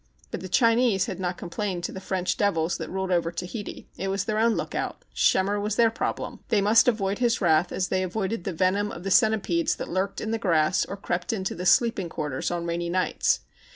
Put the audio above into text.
But the Chinese had not com plained to the French devils that ruled over Tahiti. It was their own lookout. Schemmer was their problem. They must avoid his wrath as they avoided the venom of the centi pedes that lurked in the grass or crept into the sleeping quarters on rainy nights.